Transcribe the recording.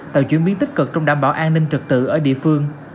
tạo chuyển biến tích cực trong đảm bảo an ninh trật tự ở địa phương